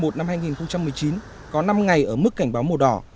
tháng một mươi một năm hai nghìn một mươi chín có năm ngày ở mức cảnh báo màu đỏ